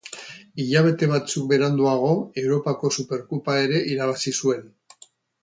Hilabete batzuk beranduago Europako Superkopa ere irabazi zuen.